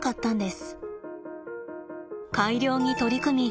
改良に取り組み